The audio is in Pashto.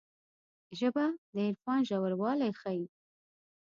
ژبه د عرفان ژوروالی ښيي